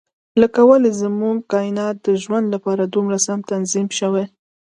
لکه ولې زموږ کاینات د ژوند لپاره دومره سم تنظیم شوي.